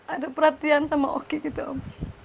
ada perhatian sama oki gitu om